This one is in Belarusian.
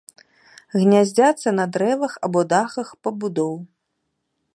Гняздзяцца на дрэвах або дахах пабудоў.